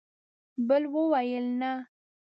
بل وویل: نه!